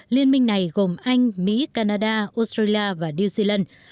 liên minh này gồm anh mỹ canada australia và new zealand